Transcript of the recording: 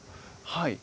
はい。